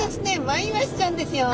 マイワシちゃんですよ。